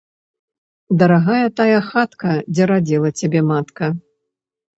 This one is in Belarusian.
Дарагая тая хатка, дзе радзіла цябе матка.